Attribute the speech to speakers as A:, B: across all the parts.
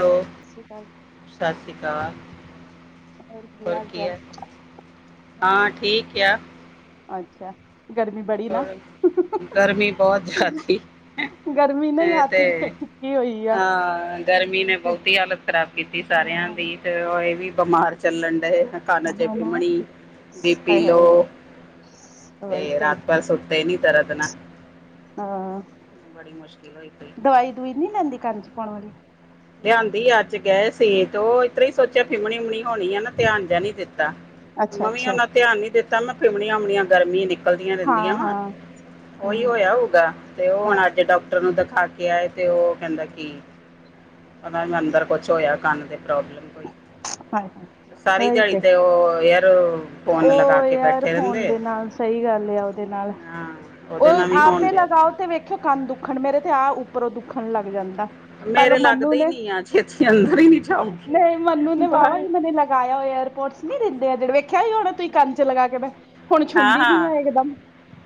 A: Hello,
B: ਸਸ ਰੀ ਕਾਲ।
A: ਸਸ ਰੀ ਕਾਲ, ਹੋਰ ਕੀ ਐ ਹਾਂ, ਠੀਕ ਕਿਹਾ।
B: ਅੱਛਾ, ਗਰਮੀ ਬੜੀ ਨਾ।
A: ਔਰ ਗਰਮੀ ਬਹੁਤ ਕਰਤੀ।
B: ਗਰਮੀ ਨਾ ਹੀ
A: ਇਹ
B: ਹੱਥ
A: ਤੇ ਹੈ,
B: ਚੁੱਕੀ ਹੋਈ ਆ।
A: ਹਾਂ ਗਰਮੀ ਨੇ
B: ਤੇ
A: ਬਹੁਤੀ ਹਾਲਤ ਖ਼ਰਾਬ ਕੀਤੀ ਸਾਰਿਆਂ
B: ਹਾਂ
A: ਦੀ। ਤੇ ਹੁਣ ਇਹ ਵੀ ਬਿਮਾਰ ਚੱਲਣ ਡਏ ਨੇ। ਕੰਨ ਚ
B: ਹਨਾ।
A: ਪਿਮਣੀ, ਬੀਪੀ
B: ਹਾਏ ਹਾਏ
A: ਲੋਅ ਤੇ ਰਾ ਸੁੱਤੇ ਨੀ ਤਰਦਨ
B: ਹਾਂ
A: ਬੜੀ ਮੁਸ਼ਕਿਲ ਹੋਈ ਪਈ
B: ਦੂਈ ਨੀ ਲੈਂਦੀ ਕੰਨ ਚ ਪਾਉਣ ਵਾਲੀ।
A: ਲਿਆਂਦੀ ਅੱਜ ਗਏ ਸੀ, ਤੇ ਉਹ ਇਤਰੀ ਸੋਚਿਆ ਫਿਮਣੀ ਉਮਣੀ ਹੋਣੀ ਆ ਨਾ ਧਿਆਨ ਜਿਹਾ ਨੀ ਦਿੱਤਾ,
B: ਅੱਛਾ
A: ਮੰਮੀ
B: ਅੱਛਾ।
A: ਉਹਨਾ ਧਿਆਨ ਨੀ ਦਿੱਤਾ, ਮੈਂ ਫਿਮਣੀਆਂ ਅਮਣੀਆਂ ਗਰਮੀ ਨੇ ਨਿਕਲਦੀਆਂ ਰਹਿੰਦੀਆਂ
B: ਹਾਂ
A: ਵਾ
B: ਹਾਂ
A: ਓਹੀ
B: ਹੂੰ
A: ਹੋਇਆ ਹੋਊਗਾ, ਤੇ ਉਹ
B: ਹਾਂ
A: ਹੁਣ ਅੱਜ ਡਾ ਡਾਕਟਰ ਨੂੰ ਦਿਖਾ ਕੇ ਆਏ, ਤੇ ਉਹ ਕਹਿੰਦਾ ਕੀ ਹਨਾ ਅੰਦਰ ਕੁਛ ਹੋਇਆ, ਕੰਨ ਦੇ ਪ੍ਰੋਬਲਮ ਕੋਈ
B: ਹਾਏ ਹਾਏ।
A: ਸਾਰੀ ਦਿਹਾੜੀ ਤੇ ਉਹ ਹੋ ਯ
B: ਉਹ ਏਅਰਫੋਨ ਦੇ ਨਾਲ, ਸਹੀ ਗੱਲ ਏ ਉਹਦੇ ਨਾਲ
A: ਹਾਂ ਉਹਦੇ ਨਾਲ
B: ਉਹ
A: ਵੀ ਹੋਣ
B: ਆਪੇ
A: ਡਿਆ
B: ਲਗਾਓ ਤੇ ਵੇਖਿਓ ਕੰਨ ਦੁੱਖਣ ਮੇਰੇ, ਤੇ ਆ ਉੱਪਰੋਂ ਦੁੱਖਣ ਲੱਗ ਜਾਂਦਾ। ਪਹਿਲੋ
A: ਮੇਰੇ
B: ਮੰਨੂ
A: ਲੱਗਦੇ ਹੀ
B: ਨੇ
A: ਨਹੀਂ ਆ ਛੇਤੀ ਅੰਦਰ ਹੀ ਨਹੀਂ ਜਾਊਗੀ
B: ਨਹੀਂ ਮੰਨੂ ਨੇ ਵਾਹਵਾ
A: ਬਾਹਰ
B: ਹੀ ਗਲੇ ਲੱਗ ਲਗਾਇਆ ਹੋਏ ਏਅਰਪੋਰਟਸ ਨੀ ਦਿੰਦੇ ਆ ਜਿਹੜੇ ਵੇਖਿਆ ਹੀ ਹੋਣਾ ਤੁਸੀਂ ਕੰਨ ਚ ਲਗਾ ਕੇ ਮੈਂ ਹੁਣ
A: ਹਾਂ
B: ਛੁੰਦੀ ਨੀ
A: ਹਾਂ
B: ਆ ਇਕਦਮ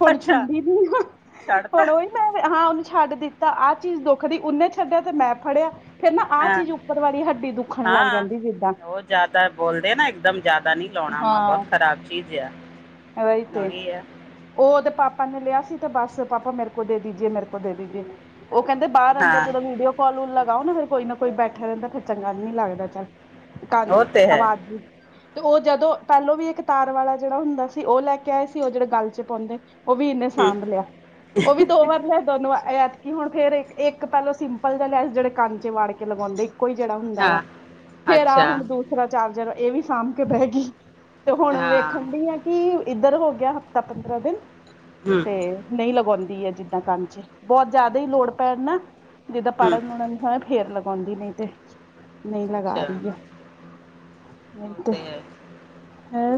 B: ਹੁਣ
A: ਅੱਛਾ
B: ਛੁੰਦੀ ਨੀ ਆ
A: ਛੱਡਤਾ
B: ਹੁਣ ਉਹ ਮੈਂ ਹਾਂ ਉਹਨੂੰ ਛੱਡ ਦਿੱਤਾ ਆਹ ਚੀਜ਼ ਦੁੱਖ ਦੀ ਉਹਨੇ ਛੱਡਿਆ ਤੇ ਮੈਂ ਫੜਿਆ ਫਿਰ ਨਾ ਆਹ
A: ਹਾਂ
B: ਚੀਜ਼ ਉੱਪਰ ਵਾਰੀ ਹੱਡੀ ਦੁੱਖਣ ਲੱਗ
A: ਹਾਂ
B: ਜਾਂਦੀ ਜਿੱਦਾਂ
A: ਉਹ ਜ਼ਿਆਦਾ ਬੋਲਦੇ ਨਾ ਇਕਦਮ ਜਿਆਦਾ ਨੀ ਲਾਉਣਾ ਵਾ ਬਹੁਤ ਖ਼ਰਾਬ ਚੀਜ਼ ਆ
B: ਏ ਤੇ
A: ਉਹੀ ਆ
B: ਉਹਦੇ ਪਾਪਾ ਨੇ ਲਿਆ ਸੀ ਤੇ ਬਸ ਪਾਪਾ ਮੇਰੇ ਕੋਲ ਦੇ ਦੇਜਏ ਮੇਰੇ ਕੋਲ ਦੇ ਦੇਜਏ ਉਹ ਕਹਿੰਦੇ ਬਾਹਰ ਅੰਦਰ
A: ਹਾਂ
B: ਜਦੋਂ ਵੀਡੀਓ ਕੋਲ ਲਗਾਓ ਨਾ ਫਿਰ ਕੋਈ ਨਾ ਕੋਈ ਬੈਠਾ ਰਹਿੰਦਾ ਫਿਰ ਚੰਗਾ ਨ ਨੀ ਲੱਗਦਾ ਚੱਲ ਕੰਧ
A: ਉਹ ਤੇ ਹੈ ਹੂੰ
B: ਆਵਾਜ਼ ਤੇ ਉਹ ਜਦੋਂ ਪਹਿਲੋਂ ਵੀ ਇੱਕ ਤਾਰ ਵਾਲਾ ਜਿਹੜਾ ਹੁੰਦਾ ਸੀ ਉਹ ਲੈ ਕੇ ਆਏ ਸੀ ਉਹ ਜਿਹੜੇ ਗੱਲ ਚ ਪਾਉਂਦੇ ਉਹ ਵੀ ਇਹਨੇ ਸਾਂਭ ਲਿਆ ਉਹ ਵੀ ਦੋ ਵਾਰ ਲੈ ਦੋਨੋ ਐਤਕੀ ਹੁਣ ਫਿਰ ਇੱਕ ਪਹਿਲੋਂ ਸਿੰਪਲ ਦਾ ਲੈ ਜਿਹੜੇ ਕੰਚੇ ਵਾ ਕੇ ਲਗਾਉਂਦੇ ਕੋਈ ਜਿਹੜਾ ਹੁੰਦਾ ਵਾ ਫਿਰ ਆ ਹੁਣ ਦੂਸਰਾ ਚਾਰਜਰ ਇਹ ਵੀ ਸਾਂਭ ਕੇ ਪੈ ਗਈ ਤੇ ਹੁਣ ਵੇਖਣ ਦੀ ਆ ਕਿ ਇੱਧਰ ਹੋ ਗਿਆ ਹਫਤਾ ਪੰਦਰਾਂ ਦਿਨ ਤੇ ਨਹੀਂ ਲਗਾਉਂਦੀ ਹੈ ਜਿੱਦਾਂ ਕੰਮ ਚ ਬਹੁਤ ਜ਼ਿਆਦਾ ਹੀ ਲੋੜ ਪੈਣ ਨਾ ਜਿੱਦਾਂ ਪੜਨ ਲੁੜਨ ਸਮ ਫਿਰ ਲਗਾਉਂਦੀ ਨਹੀਂ ਤੇ ਨਹੀਂ ਲਗਾ
A: ਅੱਛਾ
B: ਰਹੀ ਹੈ ਨਹੀਂ
A: ਉਹ
B: ਤੇ
A: ਹੈ
B: ਹੈ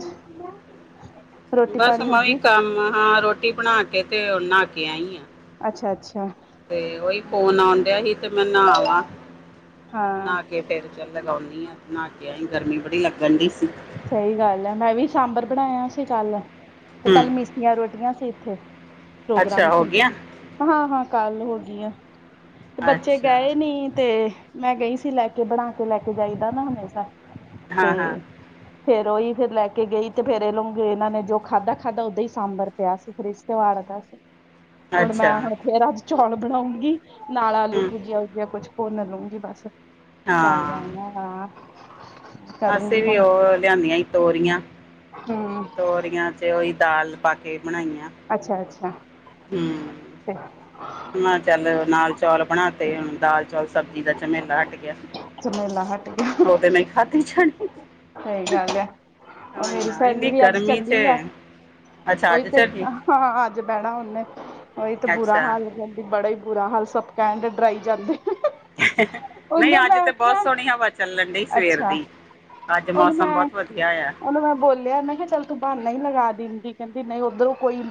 A: ਬਸ ਮੈਂ ਵੀ ਕੰਮ ਹਾਂ ਰੋਟੀ ਬਣਾ ਕੇ ਤੇ ਨਹਾ ਕੇ ਆਈ ਆ
B: ਅੱਛਾ ਅੱਛਾ
A: ਤੇ ਉਹੀ ਫੋਨ ਆਉਣ ਰਿ ਹੀ ਤੇ ਮੈਂ ਨਹਾ ਆਵਾਂ
B: ਹਾਂ
A: ਨਾ ਕੇ ਫਿਰ ਚੱਲ ਲਗਾਉਂਦੀ ਹਾਂ ਨਹਾ ਕੇ ਆ ਹੀਂ ਗਰਮੀ ਬੜੀ ਲੱਗਣ ਦੀ ਸੀ
B: ਸਹੀ ਗੱਲ ਹੈ ਮੈਂ ਵੀ ਸਾਂਬਰ ਬਣਾਇਆ ਸੀ ਕੱਲ ਤੇ
A: ਹੂੰ
B: ਕੱਲ ਮਿਸ ਜਾਂ ਰੋਟੀਆਂ ਸੀ ਇੱਥੇ ਪ੍ਰੋਗਰਾਮ
A: ਅੱਛਾ ਹੋ
B: ਸੀ
A: ਗਿਆ
B: ਹਾਂ ਹਾਂ ਕੱਲ ਹੋ ਗਈ ਆ ਤੇ ਬੱਚੇ
A: ਅੱਛਾ
B: ਗਏ ਨੀ ਤੇ ਮੈਂ ਗਈ ਸੀ ਲੈ ਕੇ ਬਣਾ ਕੇ ਲੈ ਕੇ ਜਾਈਦਾ ਨਾ ਹਮੇਸ਼ਾ ਤੇ
A: ਹਾਂ ਹਾਂ
B: ਫਿਰ ਉਹੀ ਫਿਰ ਲੈ ਕੇ ਗਈ ਤੇ ਫਿਰ ਇਹਲੋਂ ਇਹਨਾਂ ਨੇ ਜੋ ਖਾਧਾ ਖਾਧਾ ਉਦਾਂ ਹੀ ਸਾਂਬਰ ਪਿਆ ਸੀ ਫਿਰ ਉਹ ਅੜਦਾ ਸੀ ਹੁਣ ਮੈਂ
A: ਅੱਛਾ
B: ਹੁਣ ਫਿਰ ਅੱਜ ਚੌਲ ਬਣਾਉਂਗੀ ਨਾਲ ਆਲੂ
A: ਹੂੰ
B: ਭੁਜਿਆ ਭੁਜਆ ਕੁੱਛ ਫੋਨ ਲਊਗੀ ਬਸ ਚੱਲ
A: ਹਾਂ
B: ਜਾਣਾ ਹਾਂ ਕਰੂੰਗੀ
A: ਅਸੀਂ ਵੀ
B: ਹੁਣ
A: ਉਹ ਲਿਆਂਦੀਆਂ ਸੀ ਤੋਰੀਆਂ
B: ਹੂ
A: ਤੋਰੀਆਂ ਚ ਉਹੀ ਦਾਲ ਪਾ ਕੇ ਬਣਾਈਆਂ
B: ਅੱਛਾ ਅੱਛਾ
A: ਹੂੰ ਮੈਂ ਚੱਲ ਨਾਲ ਚੌਲ ਬਣਾ ਤੇ ਦਾਲ ਚੌਲ ਸਬਜ਼ੀ ਦਾ ਚਣੇ ਲਾ ਕੇ ਗਿਆ
B: ਚਮੇਲਾ ਹੱਟ ਗ
A: ਉਹ ਤੇ ਮੈਂ ਖਾਧੀ ਛੱਡਦੀ
B: ਸਹੀ ਗੱਲ ਹੈ ਉਹ ਮੇਰੀ
A: ਨਾ
B: ਸਹੇਲੀ
A: ਇੰਨੀ
B: ਵੀ ਅੱਜ
A: ਗਰਮੀ ਚ
B: ਚੱਲੀ ਆ
A: ਅੱਛਾ
B: ਉਹੀ
A: ਅੱਜ
B: ਤੇ
A: ਚੱਲੀ
B: ਹਾਂ ਅੱਜ ਬਹਿਣਾ ਉਹਨੇ ਉਹੀ ਤੇ ਬੁਰਾ
A: ਅੱਛਾ
B: ਹਾਲ ਕਹਿੰ ਬੜਾ ਹੀ ਬੁਰਾ ਹਾਲ ਸਭ ਐਂਡ ਡਰਾਈ ਕਰਦੇ
A: ਨਹੀਂ ਅੱਜ ਤੇ ਬਹੁਤ
B: ਆਖਿਆ
A: ਸੋਹਣੀ ਹਵਾ ਚੱਲਣ ਡ ਸਵੇਰ
B: ਅੱਛਾ
A: ਦੀ ਅੱਜ
B: ਉਹਨੂੰ
A: ਮੌਸਮ
B: ਮੈਂ
A: ਬਹੁਤ ਵਧੀਆ ਆ
B: ਉਹਨੂੰ ਮੈਂ ਬੋਲਿਆ ਨਾ ਕਿ ਚੱਲ ਤੂੰ ਬਹਾਨਾ ਹੀ ਲਗਾ ਦਿੰਦੀ ਕਹਿੰਦੀ ਨਹੀਂ ਉੱਧਰੋਂ ਕੋਈ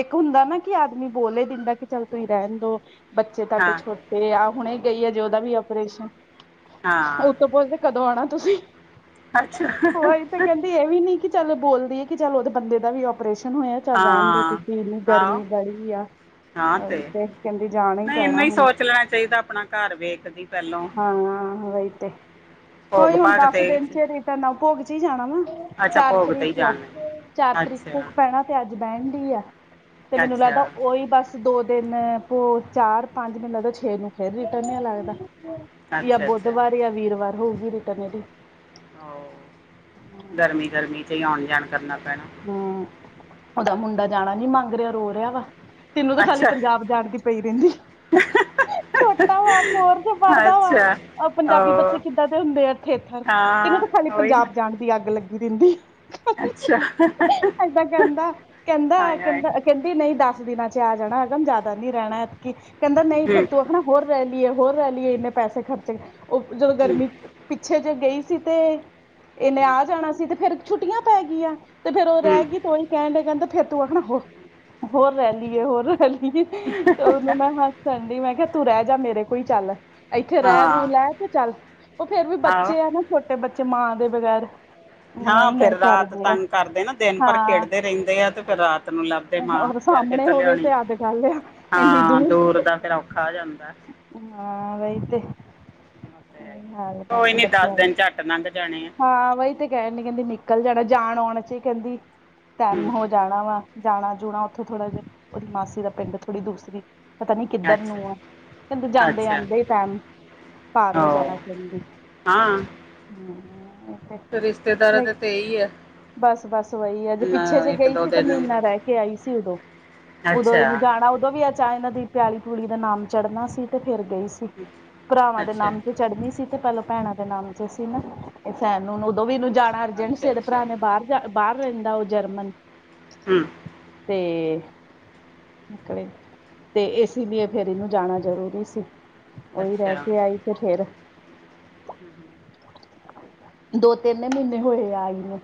B: ਇੱਕ ਹੁੰਦਾ ਨਾ ਕਿ ਆਦਮੀ ਬੋਲੇ ਹੀ ਦਿੰਦਾ ਕਿ ਚੱਲ ਤੁਸੀਂ ਰਹਿਣ ਦੋ ਬੱਚੇ ਤੁਹਾਡੇ
A: ਹਾਂ
B: ਛੋਟੇ ਆ ਹੁਣੇ ਗਈ ਆ ਜੇ ਉਹਦਾ ਵੀ ਆਪਓਰੇਸ਼ਨ
A: ਹਾਂ
B: ਉਹਤੋਂ ਬਤ ਕਦੋਂ ਆਉਣਾ ਤੁਸੀਂ
A: ਅੱਛਾ
B: ਹੋ ਤਾਂ ਕਹਿੰਦੀ ਇਹ ਵੀ ਨੀ ਕਿ ਚੱਲ ਬੋਲਦੀ ਹੈ ਕਿ ਚੱਲ ਉਹਦੇ ਬੰਦੇ ਦਾ ਵੀ ਆਪਓਰੇਸ਼ਨ ਹੋਇਆ ਚੱਲ ਰਹਿਣ ਦੇ
A: ਹਾਂ
B: ਤੁਸੀਂ ਇੰਨੀ
A: ਆਹੋ
B: ਗਰਮੀ ਬੜੀ ਆ
A: ਹਾਂ
B: ਉਹੀ
A: ਤੇ
B: ਕਹਿੰਦੀ ਜਾਣਾ
A: ਨਹੀਂ
B: ਪੈਣਾ
A: ਇਹਨੂੰ ਹੀ
B: ਹੁਣ
A: ਸੋਚ ਲੈਣਾ ਚਾਹੀਦਾ ਆਪਣਾ ਘਰ ਵੇਖਦੀ ਪਹਿਲੋਂ
B: ਹਾਂ ਵਹੀ ਤੇ
A: ਭੋਗ
B: ਉਹੀ ਹੁਣ
A: ਭਾਗ
B: ਦਸ
A: ਤੇ
B: ਦਿਨ ਚ ਰ ਤਾਂ ਨਵਭੋਗ ਚ ਹੀ ਜਾਣਾ ਵਾ
A: ਅੱਛਾ
B: ਚਾਰ
A: ਭੋਗ ਤੇ ਹੀ
B: ਤਰੀਕ ਆ
A: ਜਾਣਾ
B: ਚਾਰ ਤਰੀਕ ਤੋਂ
A: ਅੱਛਾ
B: ਪੈਣਾ ਤੇ ਅੱਜ ਬਹਿਣ ਡੇਅ ਆ ਤੇ ਮੈਨੂੰ
A: ਅੱਛਾ
B: ਲੱਗਦਾ ਉਓਹੀ ਬਸ ਦੋ ਦਿਨ ਪ ਚਾਰ ਪੰਜ ਮਹੀਨ ਲ ਛੇ ਨੂੰ ਫੇਰ ਰਿਟਰਨ ਲੱਗਦਾ ਜਾਂ
A: ਅੱਛਾ ਅੱਛਾ
B: ਬੁੱਧਵਾਰ ਜਾਂ ਵੀਰਵਾਰ ਹੋਊਗੀ ਰਿਟਰਨਿਟੀ
A: ਗਰਮੀ ਗਰਮੀ ਚ ਹੀ ਆਉਣ ਜਾਣ ਕਰਨਾ ਪੈਣਾ
B: ਹਮ ਉਹਦਾ ਮੁੰਡਾ ਜਾਣਾ ਨੀ ਮੰਗ ਰਿਹਾ ਰੋ ਰਿਹਾ ਵਾ ਤੈਨੂੰ ਤਾਂ ਖਾਲੀ
A: ਅੱਛਾ
B: ਪੰਜਾਬ ਜਾਣ ਦੀ ਪਈ ਰਹਿੰਦੀ ਛੋਟਾ ਵਾ ਹੋਰ ਚ ਪੜ੍ਹਦਾ ਵਾ
A: ਅੱਛਾ
B: ਪੰਜਾਬੀ ਬੱਚੇ
A: ਉਹ
B: ਕਿੱਦਾਂ ਦੇ ਹੁੰਦੇ ਆ ਇਥੇ ਇਥਰ ਤੇਨ
A: ਹਾਂ
B: ਤਾਂ ਖਾਲੀ
A: ਉਹੀ ਨਾ
B: ਪੰਜਾਬ ਜਾਣ ਦੀ ਅੱਗ ਲੱਗੀ ਰਹਿੰਦੀ
A: ਅੱਛਾ
B: ਐਦਾਂ ਕਹਿੰਦਾ ਕਹਿੰਦਾ
A: ਹਾਏ ਹਾਏ
B: ਕਹਿੰਦਾ ਕਹਿੰਦੀ ਨਹੀਂ ਦਸ ਦਿਨਾਂ ਚ ਆ ਜਾਣਾ ਅਗਮ ਜਿਆਦਾ ਨੀ ਰਹਿਣਾ ਇਤਕ ਕਹਿੰਦਾ ਨਹੀਂ ਫੇਰ
A: ਹੂੰ
B: ਤੂੰ ਆਖਣਾ ਹੋਰ ਰਹਿ ਲਈਏ ਹੋਰ ਰਹਿ ਲਈਏ ਇੰਨੇ ਪੈਸੇ ਖਰਚੇ ਗਏ ਉਹ ਜਦੋਂ
A: ਹੂੰ
B: ਗਰਮੀ ਪਿੱਛੇ ਜੇ ਗਈ ਸੀ ਤੇ ਇਹਨੇ ਆ ਜਾਣਾ ਸੀ ਤੇ ਫੇਰ ਛੁੱਟੀਆਂ ਪੈ ਗਈਆਂ। ਤੇ ਫੇਰ ਉਹ ਰਹਿ
A: ਹੂੰ
B: ਗਈ ਤੂੰ ਹੀ ਕਹਿੰਦੇ ਫੇਰ ਤੂੰ ਆਖਣਾ ਉਹ ਹੋਰ ਰਹਿ ਲਈਏ ਹੋਰ ਰਹਿ ਲਈਏ ਤੇ ਉਹਨੂੰ ਮੈਂ ਹ ਸੰਡੇ ਮੈਂ ਕਿਹਾ ਤੂੰ ਰਹਿ ਜਾ ਮੇਰੇ ਕੋਲ ਚੱਲ। ਇੱਥੇ ਰਹਿ ਰੂ
A: ਹਾਂ
B: ਲੈ ਤੇ ਚੱਲ ਉਹ ਫੇਰ ਵੀ
A: ਹਾਂ
B: ਬੱਚੇ ਆ ਨਾ ਛੋਟੇ ਬੱਚੇ ਮਾਂ ਦੇ ਬਗੈਰ ਇਆਂ
A: ਹਾਂ
B: ਹੀ ਇਆਂ
A: ਫੇਰ ਰਾਤ
B: ਕਰਦੇ ਆ
A: ਤੰਗ ਕਰਦੇ ਨਾ ਦਿਨ ਪਰ
B: ਹਾਂ
A: ਖੇੜਦੇ ਰਹਿੰਦੇ ਆ ਤੇ ਫਿਰ ਰਾਤ ਨੂੰ ਲੱਭਦੇ ਮਾਂ
B: ਔਰ
A: ਫੇਰ
B: ਸਾਹਮਣੇ
A: ਕਿਥੇ
B: ਹੋਵੇ
A: ਲਿਆਉਣੀ।
B: ਤੇ ਅੱਡ ਗੱਲ ਆ ਇੰਨੀ
A: ਹਾਂ ਦੂਰ ਦਾ ਦਰਾਡੇ ਔਖਾ ਜਾਂਦਾ।
B: ਹਾਂ ਰਹੀ ਤੇ
A: ਉਹ ਤੇ ਹੈ ਹੀ।
B: ਹ
A: ਕੋਈ
B: ਬਸ
A: ਨਹੀਂ
B: ਵਧੀਆ
A: ਦਿਨ ਝੱਟ ਲੰਘ ਜਾਣੇ ਆ
B: ਹਾਂਹੀ ਤੇ ਕਹਿਣ ਨੀ ਕਹਿੰਦੀ ਨਿਕਲ ਜਾਣਾ ਜਾਣ ਆਉਣ ਚ ਕਹਿੰਦੀ ਟੈਮ
A: ਹੂੰ
B: ਹੋ ਜਾਣਾ ਵਾ ਜਾਣਾ ਜੁਣਾ ਉੱਥੋਂ ਥੋੜ੍ਹਾ ਜਿਹਾ ਉਹਦੀ ਮਾਸੀ ਦਾ ਪਿੰਡ ਥੋੜ੍ਹੀ ਦੂਰ ਸੀ। ਪਤਾ ਨੀ ਕਿੱਧਰ
A: ਅੱਛਾ
B: ਨੂੰ ਆ ਕਹਿੰਦੇ ਜਾਂਦੇ
A: ਅੱਛਾ
B: ਆਂਦੇ ਟਾਈਮ ਭਾਰ ਹੋ
A: ਓ
B: ਜਾਣਾ ਕਹਿੰਦੇ
A: ਹਾਂ ਰਿਸ਼ਤੇਦਾਰਾਂ ਦੇ ਤੇ ਇਹੀ ਆ
B: ਬਸ ਬਸ ਵਹੀ ਆ ਜੇ
A: ਨਾ
B: ਪਿੱਛੇ ਜੇ
A: ਇੱਕ
B: ਗਈ
A: ਦੋ
B: ਸੀ ਤਾਂ
A: ਦਿਨ
B: ਮੈਂ
A: ਵੀ
B: ਇਨਾ ਰਹਿ
A: ਰਹੇ।
B: ਕੇ ਆਈ ਸੀ ਉਦੋਂ ਉਦੋਂ ਇਹਨੂੰ
A: ਅੱਛਾ
B: ਜਾਣਾ ਉਦੋਂ ਵੀ ਅੱਛਾ ਇਹਨਾਂ ਦੀ ਪੈਲੀ ਪੂਲੀ ਦਾ ਨਾਮ ਚੜ੍ਹਨਾ ਸੀ ਤੇ ਫੇਰ ਗਈ ਸੀ। ਭਰਾਵਾਂ ਦੇ
A: ਅੱਛਾ
B: ਨਾਮ ਤੇ ਚੜ੍ਹਨੀ ਸੀ ਤੇ ਪਹਿਲਾਂ ਭੈਣਾਂ ਦੇ ਨਾਮ ਚ ਸੀ ਨਾ ਇਹ ਸੈਣ ਨੂੰ ਉਦੋਂ ਵੀ ਇਹਨੂੰ ਜਾਣਾ ਅਰਜੈਂਟ ਸੀ
A: ਅੱਛਾ
B: ਉਹਦੇ
A: ਅੱਛਾ
B: ਭਰਾ ਨੇ ਬਾਹਰ ਬਾਹਰ ਰਹਿੰਦਾ ਉਹ ਜਰਮਨ
A: ਹਮ
B: ਤੇ ਨਿਕਲੇ ਤੇ ਇਸ ਲਈ ਫੇਰ ਇਹਨੂੰ ਜਾਣਾ ਜ਼ਰੂਰੀ ਸੀ। ਓਹੀ ਰਹਿ
A: ਅੱਛਾ
B: ਕੇ ਆਈ ਤੇ ਫੇਰ
A: [inaudible]
B: ਦੋ ਤਿੰਨ ਮਹੀਨੇ ਹੋਏ ਆਈ ਨੂੰ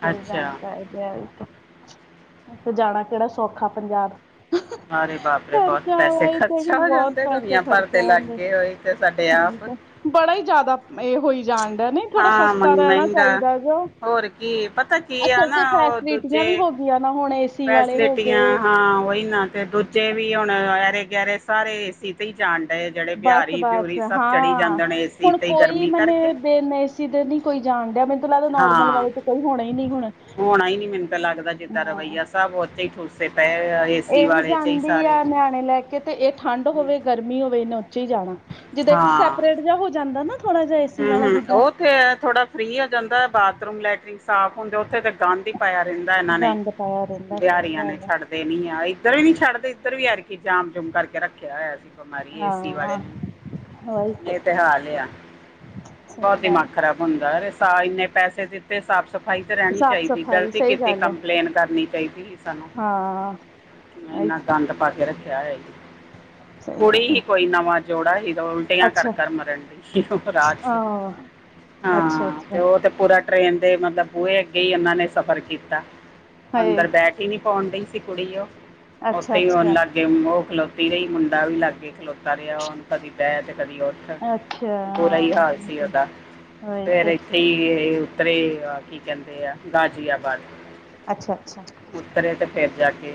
B: ਫੇਰ ਜਾਣਾ
A: ਅੱਛਾ
B: ਪੈ ਗਿਆ ਇਥੋਂ ਜਾਣਾ ਕਿਹੜਾ ਸੌਖਾ ਪੰਜਾਬ ਹਮ
A: ਮਾਰੇ ਬਾਪਰੇ ਬਹੁਤ ਪੈਸੇ
B: ਖਰਚਾ ਤੇ
A: ਖਰਚਾ ਹੋ
B: ਬਹੁਤ
A: ਜਾਂਦੇ
B: ਪੈਸੇ
A: ਦੁਨੀਆ ਭਰ ਤੇ
B: ਖਰਚਾ ਜਾਂਦੇ
A: ਲੱਗੇ ਹੋਏ ਤੇ ਸਾਡੇ
B: ਹੈ
A: ਆਪ
B: ਤਾਂ ਬੜਾ ਹੀ ਜਿਆਦਾ ਇਹ ਹੋਈ ਜਾਣ ਦਾ ਥੋੜਾ ਸਸਤਾ ਰਹਿਣਾ ਚਾਹੀਦਾ ਜੋ
A: ਇਹ ਪਤਾ ਕੀ ਆ
B: ਅਸਲ
A: ਨਾ
B: 'ਚ
A: ਉਹ
B: ਫੈਸਿਲਿਟੀਆਂ
A: ਦੂਜੇ
B: ਵੀ ਹੋ ਗਈਆਂ ਨਾ ਹੁਣ ਏਸੀ ਵਾਲੇ ਹੋ
A: ਫੈਸਿਲਿਟੀਆਂ
B: ਗਏ
A: ਹਾਂ ਉਹੀ ਨਾ ਤੇ ਦੂਜੇ ਵੀ ਹੁਣ ਆਰੇ ਗਰੇ ਸਾਰੇ ਆਏ ਸੀ ਜਾਨ ਦੇ ਜਿਹੜੇ
B: ਬਸ
A: ਬਿਹਾਰੀ
B: ਬਸ
A: ਬਉਰੀ ਸਭ ਚੜੀ
B: ਹਾਂ
A: ਜਾਂਦੇ ਨੇ ਏ ਸੀ ਤੇ ਗਰਮੀ ਕਰਕੇ
B: ਕਿਤੇ ਨੀ ਕੋਈ ਜਾਣਦੇ ਮੈਨੂੰ ਲੱਗਦਾ ਨੋਰਮ
A: ਹਾਂ
B: ਕੋਈ ਹੋਣਾ ਹੀ ਨਹੀਂ ਹੁਣਾ
A: ਹੋਣਾ ਹੀ ਨੀ ਮੈਨੂੰ ਤਾਂ ਲੱਗਦਾ ਜਿੱਦਾਂ ਰਵੱਈਆ ਸਬ ਉਥੇ ਹੀ ਠੂਸੇ ਪਏ ਏਸੀ
B: ਇਹ ਵੀ
A: ਵਾਲੇ ਚ ਹੀ
B: ਜਾਂਦੀ
A: ਸਾਰੇ
B: ਆ ਨਿਆਣੇ ਲੈ ਕੇ ਤੇ ਇਹ ਠੰਡ ਹੋਵੇ ਗਰਮੀ ਹੋਵੇ ਇਹਨ ਉਚੇ ਹੀ ਜਾਣਾ ਜਿੱਦਾਂ ਇੱਕ ਸੈਪਰੇਟ ਜਿਹਾ ਹੋ ਜਾਂਦਾ ਨਾ ਥੋੜਾ ਜਿਹਾ ਏਸੀ
A: ਹਮ
B: ਵਾਲਾ
A: ਹਮ
B: ਜਿੱਦਾਂ
A: ਉਹਥੇ ਥੋੜਾ ਫਰੀ ਹੋ ਜਾਂਦਾ ਬਾਥਰੂਮ ਲੈਟਰੀਨ ਸਾਫ਼ ਹੁੰਦੇ ਉੱਥੇ ਤਾਂ ਗੰਦ ਹੀ ਪਾਇਆ ਰਹਿੰਦਾ ਇਹਨਾਂ ਨੇ
B: ਗੰਦ ਪਾਇਆ ਰਹਿੰਦਾ ਸਹੀ
A: ਬਿਹਾਰੀਆਂ ਨੇ
B: ਗੱਲ ਹੈ
A: ਛੱਡ ਨੀ ਆ ਇੱਧਰ ਵੀ ਨੀ ਛੱਡਦੇ ਇੱਧਰ ਵੀ ਆਰਕੀ ਜਾਮ ਜੁਮ ਕਰਕੇ ਰੱਖਿਆ ਹੋਇਆ ਸੀ ਬਿਮਾਰੀ ਏ ਸੀ
B: ਹਾਂ
A: ਵਾਲੇ ਨੇ ਇਹ ਤੇ ਹਾਲ ਆ
B: ਸਹੀ
A: ਬਹੁਤ ਦਿਮਾਗ
B: ਗੱਲ
A: ਖ਼ਰਾਬ ਹੁੰਦਾ ਇੰਨੇ ਪੈਸੇ ਦਿੱਤੇ ਸਭ ਸਫ਼ਾਈ ਤਾਂ ਰਹਿਣੀ
B: ਸਾਫ਼
A: ਚਾਹੀਦੀ
B: ਸਫ਼ਾਈ
A: ਗ਼ਲਤੀ
B: ਸਹੀ
A: ਕਿਤੇ
B: ਗੱਲ ਹੈ
A: ਕੰਪਲੇਨ ਕਰਨੀ ਚਾਹੀਦੀ ਸਾਨੂੰ
B: ਹਾਂ
A: ਮੈਂ
B: ਇਹੀ
A: ਇੰਨਾ
B: ਤੇ
A: ਗੰਦ ਪਾ ਕੇ ਰੱਖਿਆ ਹੋਇਆ ਜੀ
B: ਸਹੀ
A: ਕੁੜੀ
B: ਗੱਲ
A: ਹੀ
B: ਹੈ
A: ਕੋਈ ਨਵਾਂ ਜੋੜਾ ਸੀ ਤਾਂ ਉਲਟੀਆਂ ਕਰ
B: ਅੱਛਾ
A: ਘਰ ਮਰਨ ਦੀ ਰਾਜ
B: ਹਾਂ ਅੱਛਾ
A: ਹਾਂ ਤੇ
B: ਅੱਛਾ
A: ਉਹ ਉਹ ਤੇ ਪੂਰਾ ਟ੍ਰਰੇਨ ਦੇ ਮਤਲਬ ਬੂਹੇ ਅੱਗੇ ਹੀ ਉਹਨਾਂ ਨੇ ਸਫ਼ਰ ਕੀਤਾ
B: ਹਾਏ
A: ਅੰਦਰ ਬੈਠ ਹੀ ਨੀ ਪਾਉਣ ਡਹੀ ਸੀ ਕੁੜੀ ਉਹ ਉੱਥੇ
B: ਅੱਛਾ
A: ਹੀ ਰੋਣ
B: ਅੱਛਾ
A: ਲੱਗ ਉਹ ਖਲੋਤੀ ਰਹੀ ਮੁੰਡਾ ਵੀ ਲਾਗਗੇ ਖਲੋਤਾ ਰਿਹਾ ਉਹ ਕਦੇ ਬਹਿ ਤੇ ਕਦੀ ਉਥ
B: ਅੱਛਾ ਹਾ ਉਹੀ ਤੇ
A: ਤੇ ਉੱਤਰੇ ਕੀ ਕਹਿੰਦੇ ਆ ਗਾਜ਼ੀਆਬਾਦ
B: ਅੱਛਾ ਅੱਛਾ
A: ਤੇ ਫਿਰ ਜਾ ਕੇ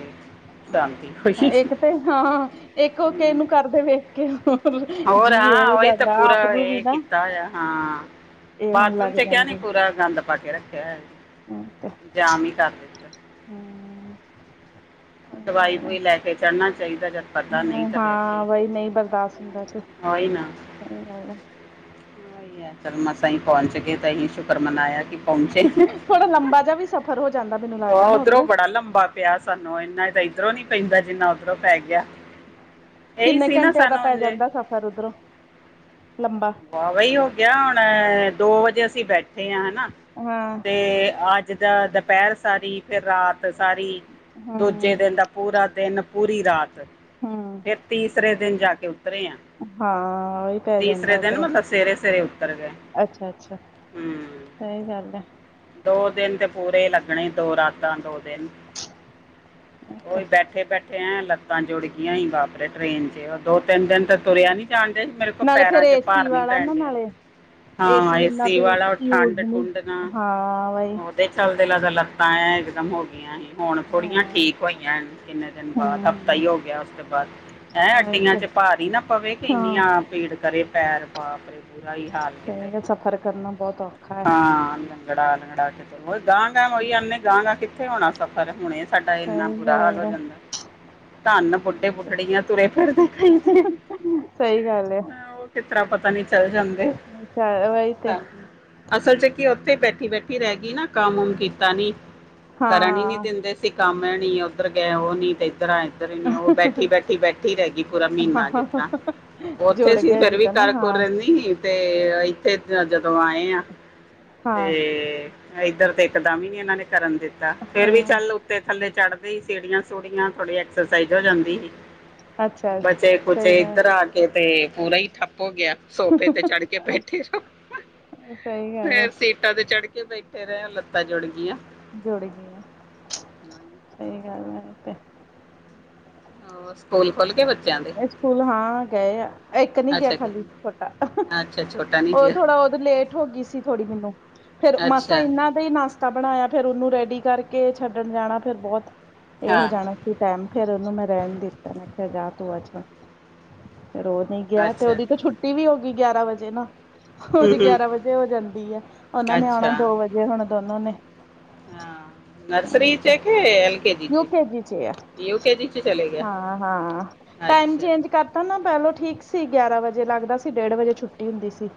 A: ਸ਼ਾਂਤੀ ਹੋਈ
B: ਇੱਕ ਤੇ ਹਾਂ ਇੱਕ ਉਹ
A: ਹਮ,
B: ਕੇਨੂੰ ਕਰ ਦੇਵੇ
A: ਹੋਰ ਹਾਂ ਓਹੀ ਤਾਂ ਪੂਰਾ
B: ਆਪ ਨੂੰ ਵੀ
A: ਇਹ
B: ਨਾ
A: ਕੀਤਾ ਹੋਇਆ ਹਾਂ
B: ਇਹ ਹੁਣ ਲੱਗ
A: ਬਾਥਰੂਮ ਤੇ ਕ ਨੀ
B: ਜਾਂਦੇ
A: ਪੂਰਾ ਗੰਦ ਪਾ ਕੇ ਰੱਖਿਆ
B: ਤੇ
A: ਜਾਮ ਹੀ ਕਰ ਦਿੱਤਾ
B: ਹਮ ਸਹੀ
A: ਦਵਾਈ
B: ਗੱਲ ਹੈ
A: ਦਵਾਈ ਲੈ ਕੇ ਚੜ੍ਹਨਾ ਚਾਹੀਦਾ ਜਦ ਕਰਦਾ ਨਹੀਂ ਤਾਂ ਫੇਰ
B: ਹਾਂ
A: ਠੀਕ
B: ਬਈ ਨਹੀਂ ਬਰਦਾਸ਼ਤ ਹੁੰਦਾ ਤੇ
A: ਹੈ ਓਹੀ ਨਾ
B: [unintelligible]
A: ਓਹੀ ਹੈ ਚ ਮਸਾਂ ਹੀ ਪਹੁੰਚ ਗਏ ਤੇ ਅਸੀਂ ਸ਼ੁਕਰ ਮਨਾਇਆ ਕਿ ਪਹੁੰਚੇ
B: ਥੋੜਾ ਲੰਬਾ ਜਿਹਾ ਵੀ ਸਫ਼ਰ ਹੋ ਜਾਂਦਾ ਮੈਨੂੰ
A: ਉਹ
B: ਲੱਗਦਾ ਨਾ
A: ਉਧਰੋਂ
B: ਉੱਧਰੋਂ
A: ਬੜਾ ਲੰਬਾ ਪਿਆ ਸਾਨੂੰ ਇੰਨਾ ਤਾਂ ਇੱਧਰੋਂ ਨੀ ਪੈਂਦਾ ਜਿੰਨਾ ਉੱਧਰੋਂ ਪੈ ਗਿਆ ਇਹੀ
B: ਕਿੰਨੇ
A: ਸੀ ਨਾ
B: ਘੰਟਿਆਂ ਦਾ
A: ਸਾਨੂੰ
B: ਪੈ
A: ਜੇ
B: ਜਾਂਦਾ ਸਫ਼ਰ ਉੱਧਰੋਂ ਲੰਬਾ
A: ਵਾਹ ਵਹੀ ਹੋ ਗਿਆ ਹੁਣ ਦੋ ਵਜੇ ਅਸੀਂ ਬੈਠੇ ਹਾਂ ਹਨਾ
B: ਹਾਂ
A: ਤੇ ਅੱਜ ਦਾ ਦੁਪਹਿਰ ਸਾਰੀ ਫ ਰਾਤ ਸਾਰੀ ਦੂਜੇ
B: ਹੂੰ
A: ਦਿਨ ਦਾ ਪੂਰਾ ਦਿਨ ਪੂਰੀ ਰਾਤ
B: ਹੂੰ
A: ਫਿਰ ਤੀਸਰੇ ਦਿਨ ਜਾ ਕੇ ਉਤਰੇ ਆ
B: ਹਾਂ ਹੀ ਪੈ ਜਾਂਦਾ ਉੱਧਰੋਂ
A: ਮਤਲਬ ਸਵੇਰੇ ਸਵੇਰੇ ਉਤਰ ਗਏ
B: ਅੱਛਾ ਅੱਛਾ
A: ਹੂੰ
B: ਸਹੀ ਗੱਲ ਹੈ
A: ਦੋ ਦਿਨ ਤੇ ਪੂਰੇ ਲੱਗਣੇ ਦੋ ਰਾਤਾਂ ਦੋ ਦਿਨ
B: ਤੇ
A: ਉਹੀ ਬੈਠੇ ਬੈਠੇ ਲੱਤਾਂ ਜੁੜ ਗਈਆਂ ਈ ਬਾਪਰੇ ਟਰੇਨ ਚ ਉਹ ਦੋ ਤਿੰਨ ਦਿਨ ਤੇ ਤੁਰਿਆ ਨੀ ਜਾਣਦੇ ਸੀ ਮੇਰੇ ਕੋਲ
B: ਨਾਲੇ
A: ਪੈਰਾਂ
B: ਫਿਰ
A: ਚ
B: ਏਸੀ
A: ਭਾਰ ਨੀ
B: ਵਾਲਾ
A: ਪੈਣ
B: ਨਾ
A: ਡਿਆ ਇ
B: ਨਾਲੇ
A: ਹਾਂ।
B: ਉਹਨਾਂ
A: ਏਸੀ
B: ਤੋਂ
A: ਵਾਲਾ।
B: ਯੂਜ
A: ਠੰਡ-
B: ਨਹੀਂ
A: ਠੁੰਡ ਨਾ,
B: ਹਾਂ ਬਾਈ
A: ਉਹਦੇ ਚੱਲਦੇ ਲਗੱ। ਤਾਂ ਇਕਦਮ ਹੋ ਗਈਆਂ ਸੀ। ਹੁਣ ਥੋੜੀਆਂ
B: ਹਾਂ
A: ਠੀਕ ਹੋਈਆਂ। ਕਿੰਨੇ ਦਿਨ ਬਾਅਦ। ਹਫ਼ਤਾ
B: ਹੂੰ
A: ਹੀ, ਹੋ ਗਿਆ ਉਸ ਤੋਂ ਬਾਅਦ। ਹੈਂ।
B: ਆਈ
A: ਅੱਡੀਆਂ
B: ਤੇ
A: ਚ, ਭਾਰ ਹੀ ਨਾ ਪਵੇ। ਕਿ
B: ਹਾਂ
A: ਪਿੰਨੀਆਂ ਭੀੜ, ਕਰੇ ਪੈਰ। ਪਾਪੇ ਬੁਰਾ ਹੀ ਹਾਲ ਕਿਤੇ
B: ਸਹੀ ਸਫ਼ਰ ਕਰਨਾ ਬਹੁਤ ਔਖਾ ਹੈ
A: ਹਾਂ [unintelligible] ਗਾਂ ਗਾਂਹੀ ਆਨੇ ਗਾਂਗਾਾਂ ਕਿੱਥੇ ਹੋਣਾ ਸਫ਼ਰ ਹੁਣੇ ਸਾਡਾ ਇੰਨਾ
B: ਸਹੀ
A: ਬੁਰਾ ਹਾਲ
B: ਗੱਲ
A: ਹੋ ਜਾਂਦਾ
B: [unintelligible]
A: ਧਨ ਬੂਡੇ ਬੁਡੜੀਆਂ ਤੁਰੇ ਫਿਰਦੇ ਖਦੇ
B: ਸਹੀ ਗੱਲ ਹੈ
A: ਇਸ ਤਰ੍ਹਾਂ ਪਤਾ ਨੀ ਚੱਲ ਜਾਂਦੇ
B: ਚੱਲ ਵਈ ਤੇ
A: ਅਸਲ ਚ ਕੀ ਉੱਥੇ ਬੈਠੇ ਬੈਠੀ ਬੈਠੀ ਰਹਿ ਗਈ ਨਾ ਕੰਮ ਉਮ ਕੀਤਾ ਨੀ ਕਰਨ ਹੀ ਨੀ
B: ਹਾਂ
A: ਦਿੰਦੇ ਸੀਂ ਕੰਮ ਹੈ ਨ ਉੱਧਰ ਗਏ ਉਹ ਨੀ ਤੇ ਇੱਧਰ ਆਏ ਉਹ ਬੈਠੀ ਬੈਠੀ ਬੈਠੀ ਰਹਿ ਗਈ ਪੂਰਾ ਮਹੀਨਾ ਜਿਸ ਤਰ੍ਹਾਂ ਉੱਥੇ ਸੀ ਫੇਿਰ ਵੀ ਕਰ-ਕੁਰ ਰਹਿੰਦੀ ਸੀ, ਤੇ ਇੱਥੇ ਜਦੋਂ ਆਏ ਆ। ਤੇ, ਇੱਧਰ ਤੇ, ਇੱਕਦਮ ਹੀ, ਨੀ ਇਹਨਾਂ ਨੇ। ਕਰਨ ਦਿੱਤਾ। ਫੇਰ ਵੀ ਚੱਲ ਉੱਤੇ- ਥੱਲੇ ਚੜਦੇ ਹੀ, ਸੀੜੀਆਂ- ਸੂੜੀਆਂ, ਥੋੜੀ ਐਕਸਰਸਾਈਜ਼ ਹੋ, ਜਾਂਦੀ। ਬਚੇ- ਕੁਚੇ, ਕਰਾ ਕੇ ਤੇ, ਪੂਰਾ ਹੀ, ਠੱਪ ਹੋ ਗਿਆ। ਸੋਫੇ ਤੇ, ਚੜ ਕੇ, ਬੈਠੇ ਰਹੋ। ਆ ਫ ਲੱਟਾਂ ਤੇ, ਚੜ ਕੇ, ਬੈਠੇ ਰਹੇ ਆ। ਲੱਤਾਂ ਜੁੜ ਗਈਆਂ।
B: ਜੁੜ ਗਈ ਆ। ਸਹੀ ਗੱਲ ਹੈ, ਤੇ।
A: ਹੋਰ, ਸਕੂਲ ਖੋਲ ਗਏ? ਬੱਚੇ-
B: ਗਣੇ ਸਕੂਲ, ਹਾਂ ਗਏ ਆ। ਇੱਕ ਨਹੀਂ ਗਿਆ। ਖਾਲੀ, ਛੋਟਾ।
A: ਅੱਛਾ, ਛੋਟਾ ਨਹੀਂ।
B: ਉਹ ਥੋੜਾ, ਉਹ ਦੇ, ਲੇਟ ਹੋ ਗਈ ਸੀ। ਥੋੜੀ ਮੈਨੂੰ, ਫੇਰ ਮਸਾਂ ਇੰਨਾ। ਨਹੀਂ ਨਾਸ਼ਤਾ ਬਣਾਇਆ। ਫੇਰ ਉਹਨੂੰ ਰੈਡੀ ਕਰਕੇ, ਛੱਡਣ ਜਾਣਾ। ਫੇਰ ਬਹੁਤ, ਦੇਰ ਹੋ ਜਾਣਾ। ਟਾਈਮ ਫੇਰ, ਉਹਨੂੰ ਮੈਂ ਰਹਿਣ ਦਿੱਤਾ। ਮੈਂ ਕਿਹਾ ਜਾ ਤੂੰ ਅੱਜੁਣ ਫੇਰ, ਉਹ ਨਹੀਂ। ਗਿਆ। ਤੇ ਉਹਦੀ, ਤਾਂ ਛੁੱਟੀ ਵੀ ਹੋ ਗਈ। ਗਿਆਰਾਂ ਵਜੇ ਨਾ। ਹੁਦੀ ਗਿਆਰਾਂ ਵਜੇ ਹੋ ਜਾਂਦੀ ਆ। ਉਹਨਾਂ ਨੇ ਆਉਣਾ, ਦੋ ਵਜੇ, ਹੁਣ ਦੋਨਾ ਨੇ। ਅ ਯੂ ਕੇ ਜੀ, ਚ ਆ। ਹਾਂ, ਹਾਂ। ਟਾਈਮ ਚੇਂਜ ਕਰਤਾ ਨਾ। ਪਹਿਲੋਂ ਠੀਕ ਸੀ। ਗਿਆਰਾਂ ਵਜੇ ਲੱਗਦਾ ਸੀ। ਡੇਢ ਵਜੇ, ਛੁੱਟੀ ਹੁੰਦੀ ਸੀ।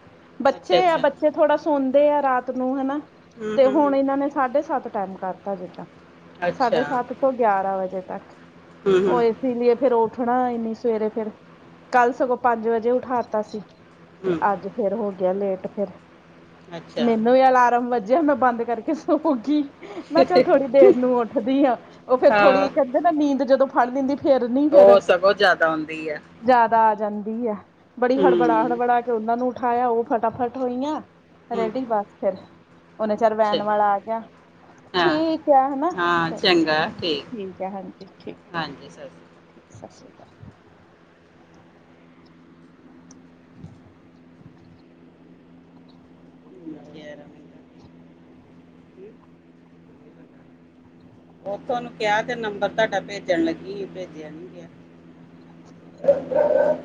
B: ਬੱਚੇ ਆ, ਬੱਚੇ ਥੋੜਾ ਸੌਦੇ ਆ, ਰਾਤ ਨੂੰ ਹਨਾ। ਤੇ ਹੁਣ ਇਹਨਾਂ ਨੇ। ਸਾਢੇ ਸੱਤ, ਟਾਈਮ ਕਰਤਾ ਸਿੱਧਾ। ਸਾਢੇ ਸੱਤ, ਤੋਂ ਗਿਆਰਾਂ ਵਜੇ ਤੱਕ। ਉਹ ਇਸ ਲਈ ਫੇਰ। ਉੱਠਣਾ ਇਨੀ ਸਵੇਰੇ ਫੇਰ। ਕੱਲ ਸਗੋਂ, ਪੰਜ ਵਜੇ, ਉਠਾ ਤ ਸੀ। ਤੇ ਅੱਜ। ਫੇਰ ਹੋ ਗਿਆ। ਲੇਟ ਫੇਰ,
A: ਅੱਛਾ
B: ਮੈਨੂੰ ਵੀ ਅਲਾਰਮ ਵੱਜਿਆ। ਮੈਂ ਬੰਦ ਕਰਕੇ ਸੋਗੀ। ਮੈਂ ਚੱਲ, ਥੋੜੀ ਦੇਰ ਨੂੰ, ਉੱਠਦੀ ਹਾਂ। ਉਹ ਫੇਰ
A: ਹਾਂ
B: ਥੋੜੀ ਤਾਂ ਨੀਦ ਜਦੋ, ਫੜ ਲਿੰਦੀ। ਫੇਰ ਨੀ ਫੇਰ
A: ਉਹ ਸਗੋਂ, ਜ਼ਿਆਦਾ ਹੁੰਦੀ ਹੈ।
B: ਜਿਆਦਾ ਆ ਜਾਂਦੀ ਆ। ਬੜੀ ਹੜਬੜਾ-
A: ਹੂੰ
B: ਹੜਬੜਾ, ਕੇ ਉਹਨਾ ਨੂੰ ਉਠਾਇਆ। ਉਹ ਫਟਾਫਟ ਹੋਈਆਂ।
A: ਹੂੰ
B: ਰੇਡੀ ਬਸ। ਫੇਰ ਓਨੇ ਚਿਰ, ਵੈਨ
A: ਚੰਗਾ
B: ਵਾਲਾ ਆ ਗਿਆ।
A: ਹਾਂ
B: ਠੀਕ ਆ। ਹਨਾ।
A: ਹਾਂ
B: ਚ
A: ਚੰਗਾ
B: ਹਾਂ ਠੀਕ ਆ। ਹਾਂਜੀ। ਠੀਕ।
A: ਹਾਂਜੀ। ਸਤਿ ਸ਼੍ਰੀ ਅਕਾਲ।
B: ਠੀਕ ਸਤਿ ਸ਼੍ਰੀ ਅਕਾਲ।
A: ਅਰ [unintelligible] ਕੀ। ਉਥੋਂ ਨੂੰ ਕਿਹਾ, ਤੇ ਨੰਬਰ ਤੁਹਾਡਾ ਭੇਜਣ ਲੱਗੀ। ਭੇਜਿਆ ਨੀ ਗਿਆ। ਅ [unintelligible]